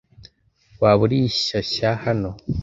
waba uri shyashya hano